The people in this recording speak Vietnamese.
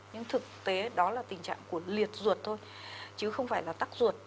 nhưng thực tế đó là tình trạng của liệt ruột thôi chứ không phải là tắc ruột